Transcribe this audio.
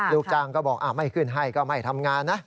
ลูกจ้างก็บอกไม่ขึ้นให้ก็ไม่ทำงานนะ